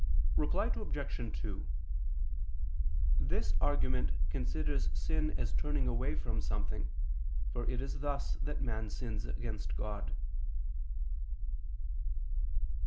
Reply Obj. 2: This argument considers sin as turning away from something, for it is thus that man sins against God.